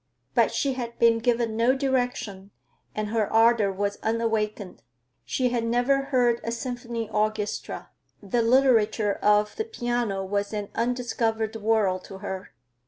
But she had been given no direction, and her ardor was unawakened. She had never heard a symphony orchestra. The literature of the piano was an undiscovered world to her.